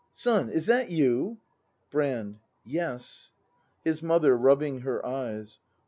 Son, is that you ? Brand. Yes. His Mother. [Rubbing her eyes.